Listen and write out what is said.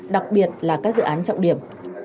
đặc biệt là các dự án trọng điểm